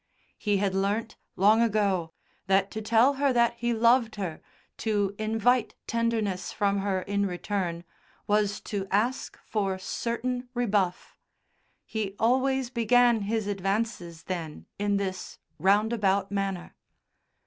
He had learnt, long ago, that to tell her that he loved her, to invite tenderness from her in return, was to ask for certain rebuff he always began his advances then in this roundabout manner.